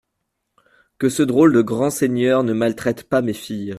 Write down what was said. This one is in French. Que ce drôle de grand seigneur ne maltraite pas mes filles.